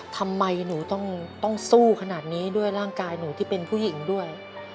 ทำไมหนูต้องสู้ขนาดนี้ด้วยร่างกายหนูที่เป็นผู้หญิงด้วย